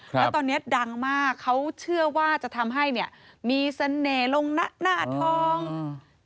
แล้วตอนนี้ดังมากเขาเชื่อว่าจะทำให้มีเสน่ห์ลงหน้าทอง